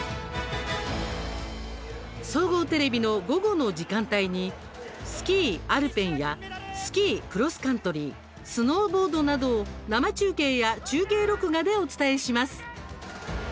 総合テレビの午後の時間帯にスキーアルペンやスキークロスカントリースノーボードなどを生中継や中継録画でお伝えします。